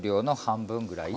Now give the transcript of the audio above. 半分ぐらい。